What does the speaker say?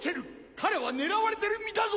彼は狙われてる身だぞ！